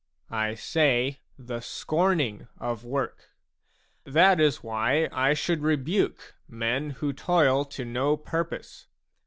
I say, the scorning of work. That is why I should rebuke men who toil to no purpose.